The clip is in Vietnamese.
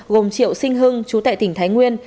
gồm triệu sinh hưng chú tại tỉnh thái nguyên